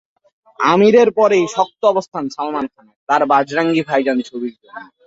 আমিরের পরই শক্ত অবস্থান সালমান খানের, তাঁর বজরঙ্গি ভাইজান ছবির জন্য।